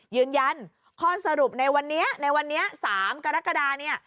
ยืนยันข้อสรุปในวันนี้๓กรกฎา